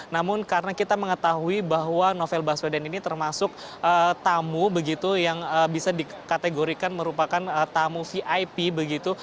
namun karena kita mengetahui bahwa novel baswedan ini termasuk tamu begitu yang bisa dikategorikan merupakan tamu vip begitu